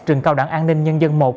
trường cao đẳng an ninh nhân dân một